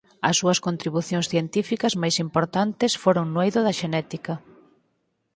As súas contribucións científicas máis importantes foron no eido da Xenética.